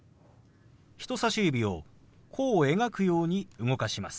人さし指を弧を描くように動かします。